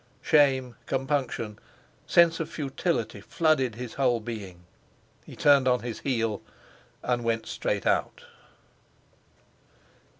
Shame, compunction, sense of futility flooded his whole being, he turned on his heel and went straight out.